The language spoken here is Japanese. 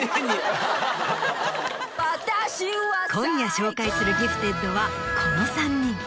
今夜紹介するギフテッドはこの３人。